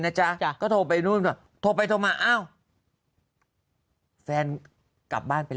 นะจ้ะจ้ะก็โทรไปนู่นก็โทรไปโทรมาอ้าวแฟนกลับบ้านไป